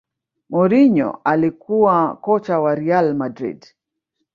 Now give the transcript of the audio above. mourinho alikuwa kocha wa real madrid